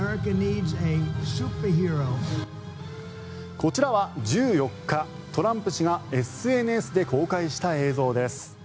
こちらは１４日トランプ氏がＳＮＳで公開した映像です。